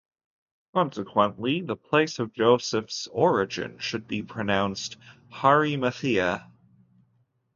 Consequently, the place of Joseph's origin should be pronounced "Harimathea".